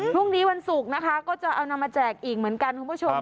พรุ่งนี้วันศุกร์นะคะก็จะเอานำมาแจกอีกเหมือนกันคุณผู้ชม